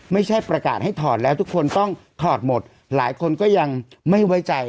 ไม่ใช่ประกาศให้ถอดแล้วทุกคนต้องถอดหมดหลายคนก็ยังไม่ไว้ใจ